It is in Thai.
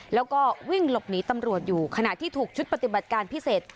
แล้วก็วิ่งหลบหนีตำรวจอยู่ขณะที่ถูกชุดปฏิบัติการพิเศษ